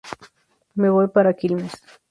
Me voy para Quilmes.